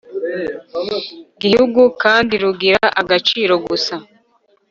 Gihugu kandi rugira agaciro gusa